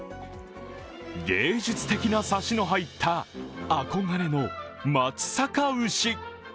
芸術的なサシの入った憧れの松阪牛。